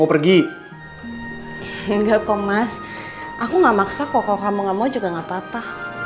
enggak kok mas aku gak maksa kok kalo kamu gak mau juga gak apa apa